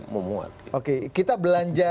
memuat oke kita belanja